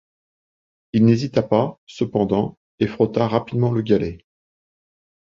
Il n’hésita pas, cependant, et frotta rapidement le galet